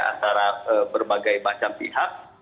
antara berbagai macam pihak